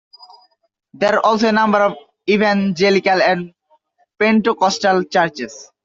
There are also a number of Evangelical and Pentecostal churches.